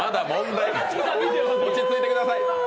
落ち着いてください。